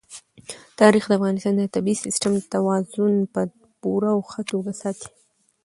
تاریخ د افغانستان د طبعي سیسټم توازن په پوره او ښه توګه ساتي.